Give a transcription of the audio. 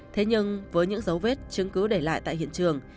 thế nhưng với những dấu vết chứng cứ để lại tại hiện trường